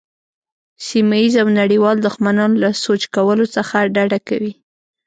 سیمه ییز او نړیوال دښمنان له سوچ کولو څخه ډډه کوي.